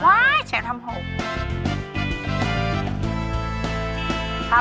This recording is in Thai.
ว้ายเฉพาะทำหก